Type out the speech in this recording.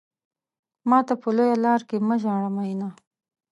ماته په لويه لار کې مه ژاړه مينه.